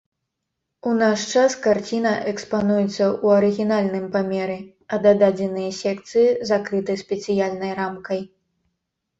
У наш час карціна экспануецца ў арыгінальным памеры, а дададзеныя секцыі закрыты спецыяльнай рамкай.